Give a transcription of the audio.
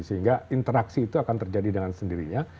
sehingga interaksi itu akan terjadi dengan sendirinya